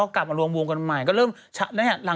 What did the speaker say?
กลับมาลวงวงกลุ่มบันนะ